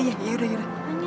ya udah yaudah